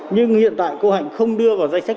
nhưng hiện tại cô hạnh không đưa vào danh sách